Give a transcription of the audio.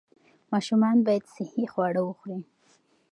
ماشومان باید صحي خواړه وخوري.